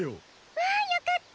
わぁよかった！